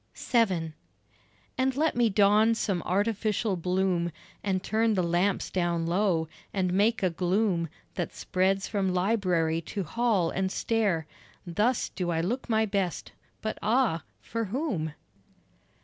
VII And let me don some artificial bloom, And turn the lamps down low, and make a gloom That spreads from library to hall and stair; Thus do I look my best but ah, for whom?